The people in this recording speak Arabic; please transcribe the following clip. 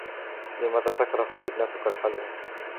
لماذا تكره ابنتك الحلوى ؟